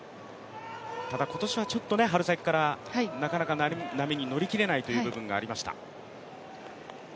ただ今年はちょっと春先からなかなか波に乗りきれない部分がありました。